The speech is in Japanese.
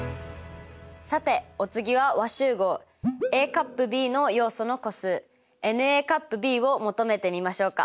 さてお次は和集合Ａ∪Ｂの要素の個数ｎを求めてみましょうか。